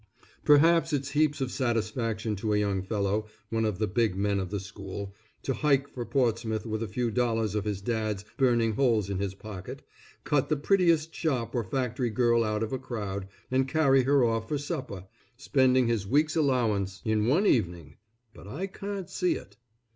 Perhaps it's heaps of satisfaction to a young fellow, one of the big men of the school, to hike for Portsmouth with a few dollars of his dad's burning holes in his pocket, cut the prettiest shop or factory girl out of a crowd, and carry her off for supper, spending his week's allowance in one evening, but I can't see it.